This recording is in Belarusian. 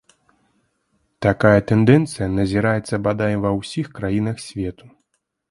Такая тэндэнцыя назіраецца бадай ва ўсіх краінах свету.